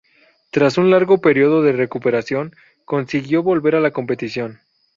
Tras un largo período de recuperación, consiguió volver a la competición.